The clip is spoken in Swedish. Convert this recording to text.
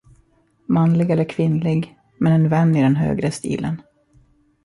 Manlig eller kvinnlig, men en vän i den högre stilen.